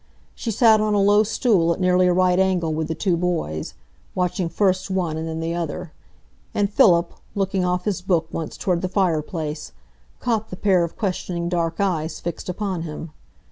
She sat on a low stool at nearly a right angle with the two boys, watching first one and then the other; and Philip, looking off his book once toward the fire place, caught the pair of questioning dark eyes fixed upon him.